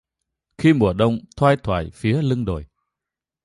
Khi mùa Đông thoai thoải phía lưng đồi